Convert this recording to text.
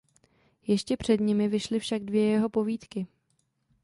Ještě před nimi vyšly však dvě jeho povídky.